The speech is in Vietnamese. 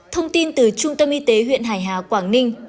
thông tin từ trung tâm y tế huyện hải hà quảng ninh